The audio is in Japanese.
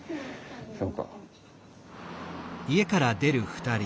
そうか。